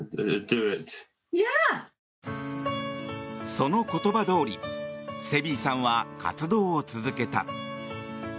その言葉どおり、セビーさんは活動をつづけた。